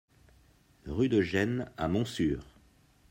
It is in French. Rue de Gesnes à Montsûrs